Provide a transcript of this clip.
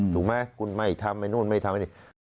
ถูกไหมคุณไม่ทำไอ้นู่นไม่ทำไอ้นี่